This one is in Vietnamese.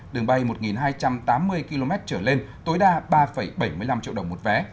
đường bay một hai trăm tám mươi km trở lên tối đa ba bảy mươi năm triệu đồng một vé